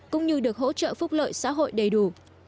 cũng như được hỗ trợ phúc lợi xã hội đầy đủ